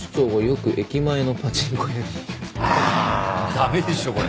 駄目でしょこれ。